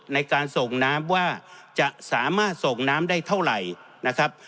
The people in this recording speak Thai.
ในการส่งน้ำว่าจะสามารถส่งน้ำได้เท่าไหร่นะครับ